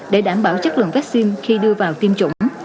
để đảm bảo chất lượng vaccine khi đưa vào tiêm chủng